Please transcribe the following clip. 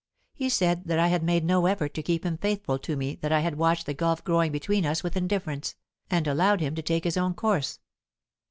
He said that I had made no effort to keep him faithful to me that I had watched the gulf growing between us with indifference, and allowed him to take his own course.